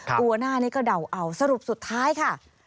หัวหน้านี้ก็เดาเอาสรุปสุดท้ายค่ะ